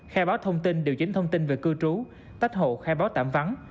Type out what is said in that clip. khai báo thông tin điều chỉnh thông tin về cư trú tách hộ khai báo tạm vắng